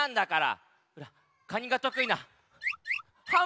カニがとくいなはん